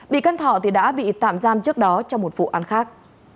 bị can thọ đã bị tạm giam trước đó trong một vụ án khác